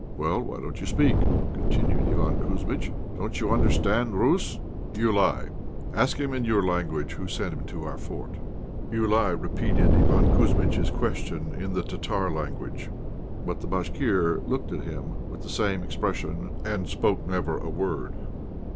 "Well, why don't you speak?" continued Iván Kouzmitch. "Don't you understand Russ? Joulaï, ask him in your language who sent him to our fort." Joulaï repeated Iván Kouzmitch's question in the Tartar language. But the Bashkir looked at him with the same expression, and spoke never a word.